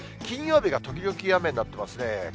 金曜日が時々雨になってますね。